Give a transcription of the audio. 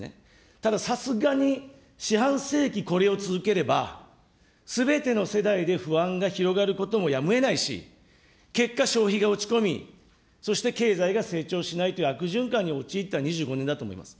たださすがに四半世紀これを続ければ、すべての世代で不安が広がることもやむをえないし、結果、消費が落ち込み、そして経済が成長しないという悪循環に陥った２５年だと思います。